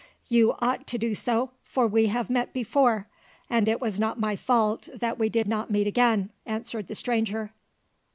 "You ought to do so, for we have met before; and it was not my fault that we did not meet again," answered the stranger.